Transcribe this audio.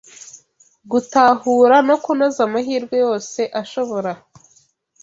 gutahura no kunoza amahirwe yose ashobora